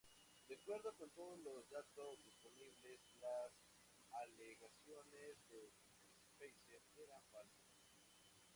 De acuerdo con todos los datos disponibles, las alegaciones de Spicer eran falsas.